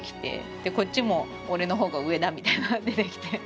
こっちも俺の方が上だみたいな出てきて。